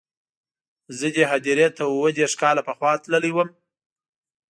زه دې هدیرې ته اووه دېرش کاله پخوا تللی وم.